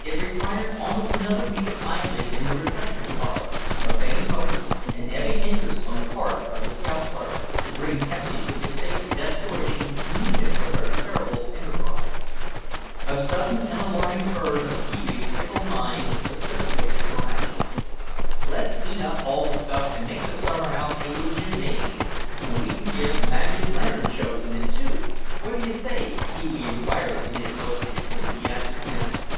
It required almost another week of idling in the refreshment parlor, of vain hopes, and ebbing interest on the part of the scout partner, to bring Pepsy to the state of desperation needed for her terrible enterprise. A sudden and alarming turn of Pee wee's fickle mind precipitated her action. "Let's eat up all the stuff and make the summer house into a gymnasium, and we can give magic lantern shows in it, too. What do you say?" Pee wee inquired in his most enthusiastic manner.